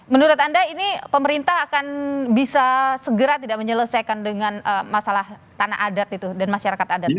menurut anda ini pemerintah akan bisa segera tidak menyelesaikan dengan masalah tanah adat itu dan masyarakat adat